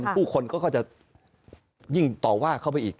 ผู้คนเขาก็จะยิ่งต่อว่าเข้าไปอีก